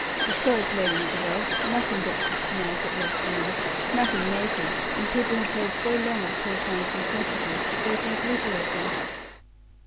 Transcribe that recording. "Because, Lady Isabel, nothing gets patronized at West Lynne nothing native; and people have heard so long of poor Kane's necessities, that they think little of them."